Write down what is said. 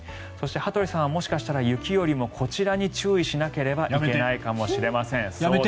そして、羽鳥さんはもしかしたら雪よりもこちらに注意しなければいけないかもしれません。